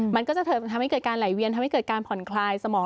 มันก็จะทำให้เกิดการไหลเวียนทำให้เกิดการผ่อนคลายสมอง